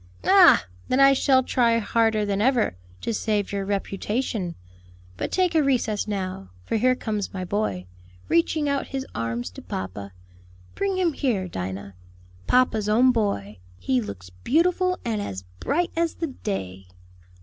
"Ah! then I shall try harder than ever, to save your reputation; but take a recess now, for here comes my boy, reaching out his arms to papa. Bring him here Dinah. Papa's own boy, he looks beautiful and as bright as the day."